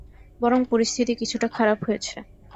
বরং পরিস্থিতি কিছুটা খারাপ হয়েছে।